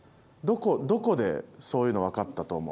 どこでそういうの分かったと思う？